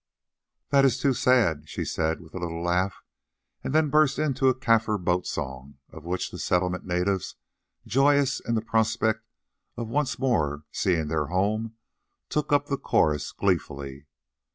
"That is too sad," she said with a little laugh, and then burst into a Kaffir boat song, of which the Settlement natives, joyous in the prospect of once more seeing their home, took up the chorus gleefully.